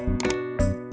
gak ada apa apa